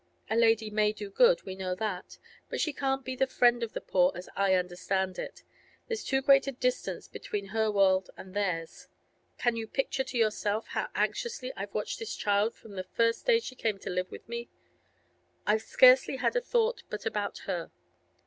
A lady may do good, we know that; but she can't be the friend of the poor as I understand it; there's too great a distance between her world and theirs. Can you picture to yourself how anxiously I've watched this child from the first day she came to live with me? I've scarcely had a thought but about her.